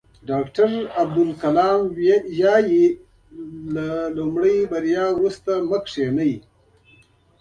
ډاکټر عبدالکلام وایي له لومړۍ بریا وروسته مه کینئ.